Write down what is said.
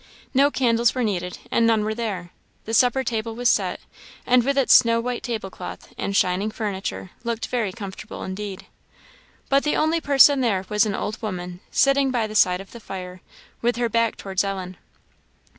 No candles were needed, and none were there. The supper table was set, and, with its snow white tablecloth and shining furniture, looked very comfortable indeed. But the only person there was an old woman, sitting by the side of the fire, with her back towards Ellen.